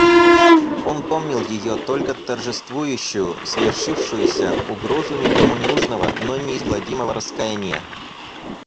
Он помнил ее только торжествующую, свершившуюся угрозу никому ненужного, но неизгладимого раскаяния.